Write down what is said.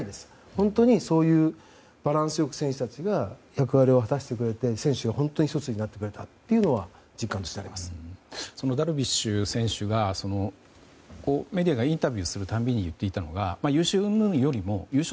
本当にバランスよく選手たちが役割を果たしてくれて選手が本当に１つになってくれたというのはダルビッシュ選手がメディアがインタビューするたびに言っていたのが優勝